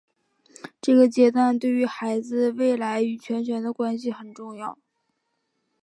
这个阶段对于孩子未来与权威的关系也很重要。